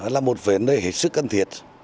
là một vấn đề hệ sức cần thiệt